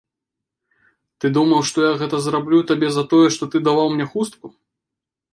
Ты думаў, што я гэта зраблю табе за тое, што ты даваў мне хустку?